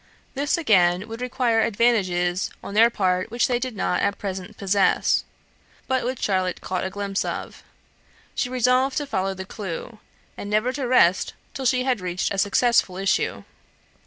This, again, would require advantages on their part which they did not at present possess, but which Charlotte caught a glimpse of. She resolved to follow the clue, and never to rest till she had reached a successful issue.